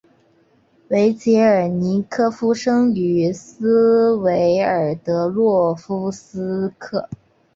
维捷尔尼科夫生于斯维尔德洛夫斯克。